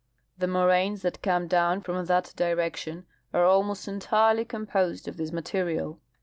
The moraines that come down from that direction are almost entirely composed of this material.